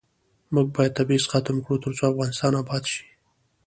موږ باید تبعیض ختم کړو ، ترڅو افغانستان اباد شي.